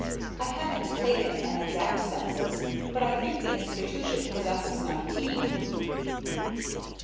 I haven't taken an exact census, but I think the institution possesses nineteen.